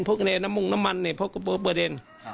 พวกมันนามมุมนำมันนี่พวกประเด็น